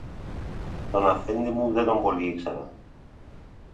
Τον αφέντη μου δεν τον πολυήξερα